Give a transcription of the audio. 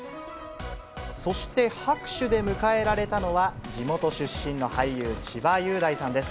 そして、拍手で迎えられたのは、地元出身の俳優、千葉雄大さんです。